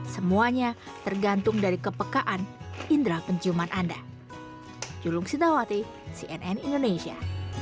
semuanya tergantung dari kepekaan indera penciuman anda